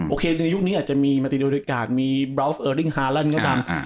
โอเคในยุคนี้อาจจะมีมาติโอริกามีบราวสเออริ่งฮาแลนด์ก็ตาม